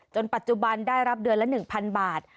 ปัจจุบันได้รับเดือนละ๑๐๐๐บาท